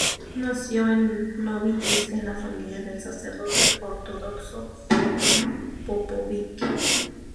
Nació en Novi Triste, en la familia del sacerdote ortodoxo Jovan Popović.